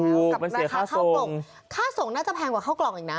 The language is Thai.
ถูกมันเสียค่าส่งค่าส่งน่าจะแพงกว่าเข้ากล่องอีกนะ